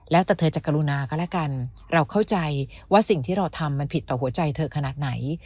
แล้วแต่เธอจะกรุณาก็แล้วกันเราเข้าใจว่าสิ่งที่เราทำมันผิดต่อหัวใจเธอขนาดไหน